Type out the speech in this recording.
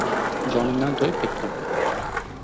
Jonimdan to‘yib ketdim!